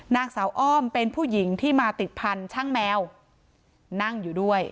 นางสาวอ้อมเป็นผู้หญิงที่มาติดพันธุ์ช่างแมวนั่งอยู่ด้วย